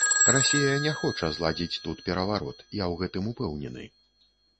Расія не хоча зладзіць тут пераварот, я ў гэтым упэўнены.